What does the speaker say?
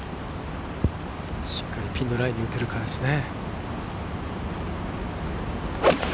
しっかりピンのラインに打てるかですね。